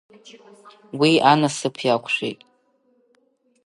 Уи Анасыԥ иақәшәеит.